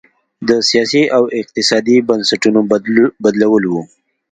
د سیاسي او اقتصادي بنسټونو بدلول و.